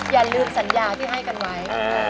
อย่าลืมสัญญาที่ให้กันไว้